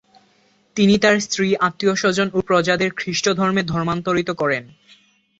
তিনি তার স্ত্রী, আত্মীয়স্বজন ও প্রজাদের খ্রিষ্ট ধর্মে ধর্মান্তরিত করেন।